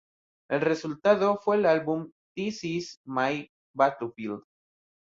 El resultado fue el álbum This is My Battlefield.